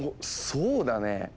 そうだねぇ。